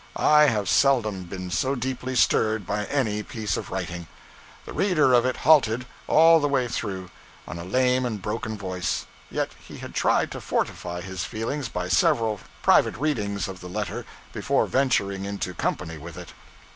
I have seldom been so deeply stirred by any piece of writing. The reader of it halted, all the way through, on a lame and broken voice; yet he had tried to fortify his feelings by several private readings of the letter before venturing into company with it.